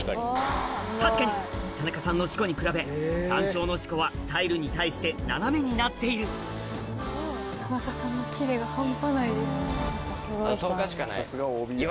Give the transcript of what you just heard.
確かに田中さんの四股に比べ団長の四股はタイルに対して斜めになっているはい。